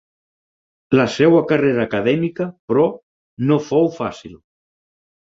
La seva carrera acadèmica, però, no fou fàcil.